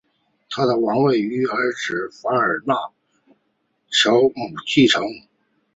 他的王位由儿子法尔纳乔姆继承。